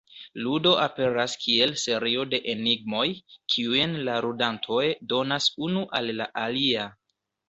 Ludo aperas kiel serio de enigmoj, kiujn la ludantoj donas unu al la alia.